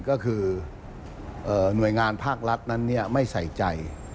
ก็คือหน่วยงานภาครัฐนั้นไม่ใส่ใจ